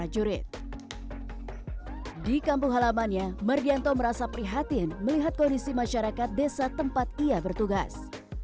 di kampung halamannya mardianto merasa prihatin melihat kondisi masyarakat desa tempat ia bertugas